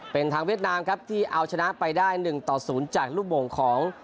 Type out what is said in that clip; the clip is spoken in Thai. เป็นทางเวียดนามครับที่เอาชนะไปได้๑ต่อ๐จากลูกโมงของ